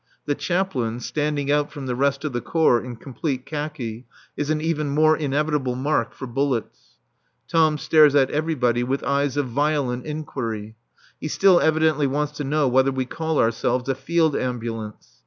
The Chaplain, standing out from the rest of the Corps in complete khaki, is an even more inevitable mark for bullets. Tom stares at everybody with eyes of violent inquiry. He still evidently wants to know whether we call ourselves a field ambulance.